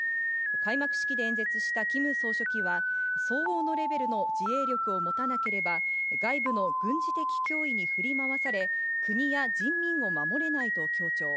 開幕式で演説したキム総書記は相応のレベルの自衛力を持たなければ外部の軍事的脅威に振り回され、国や人民を守れないと強調。